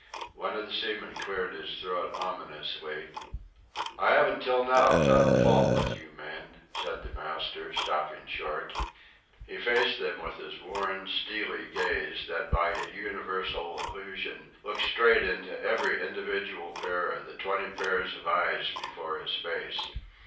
One of the seamen cleared his throat ominously. "I haven't till now found fault with you men," said the master, stopping short. He faced them with his worn, steely gaze, that by a universal illusion looked straight into every individual pair of the twenty pairs of eyes before his face.